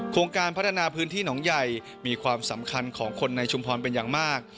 โครงการพัฒนาพื้นที่หนองใหญ่มีความสำคัญของคนในชุมพรเป็นอย่างมาก